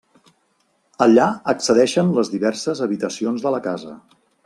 Allà accedeixen les diverses habitacions de la casa.